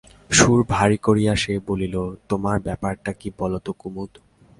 সুর ভারী করিয়া সে বলিল, তোর ব্যাপারটা কী বল তো কুমুদ?